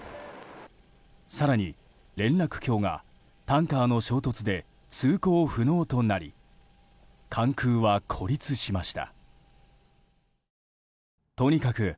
更に、連絡橋がタンカーの衝突で通行不能となり関空は孤立しました。